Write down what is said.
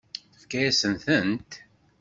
Tefka-yasent-tent?